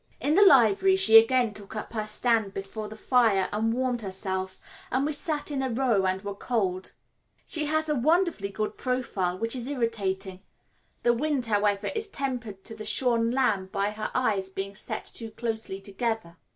In the library she again took up her stand before the fire and warmed herself, and we sat in a row and were cold. She has a wonderfully good profile, which is irritating. The wind, however, is tempered to the shorn lamb by her eyes being set too closely together.